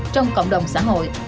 trong cộng đồng xã hội